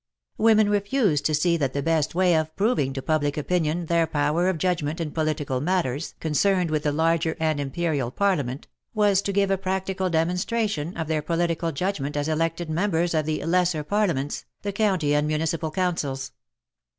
Women refused to see that the best way of proving to Public Opinion their power of judg ment in political matters concerned with the larger and imperial parliament, was to give a p7^actical de^nonstration of their political judg ment as elected members of the lesser parlia ments (the county and municipal councils).